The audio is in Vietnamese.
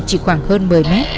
chỉ khoảng hơn một mươi mét